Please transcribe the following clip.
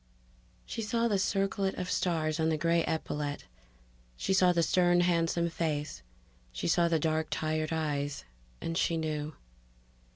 She saw the circlet of stars on the gray epaulet; she saw the stern handsome face; she saw the dark tired eyes. And she knew.